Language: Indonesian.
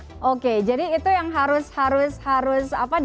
karena kalau tadi kita ngomongin soal impulsif sekarang itu masuk ke dalam pandemi